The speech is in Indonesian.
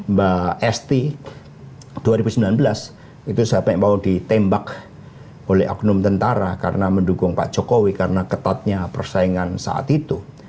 mbak esti dua ribu sembilan belas itu sampai mau ditembak oleh oknum tentara karena mendukung pak jokowi karena ketatnya persaingan saat itu